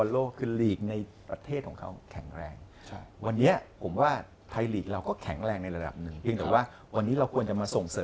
ลีกในประเทศต้องแข็งแรง